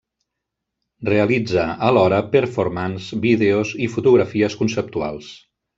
Realitza alhora performances, vídeos i fotografies conceptuals.